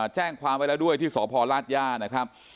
แจ้งความไว้แล้วด้วยที่สพลาดย่านะครับ